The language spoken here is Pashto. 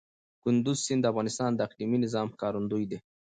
کندز سیند د افغانستان د اقلیمي نظام ښکارندوی دی.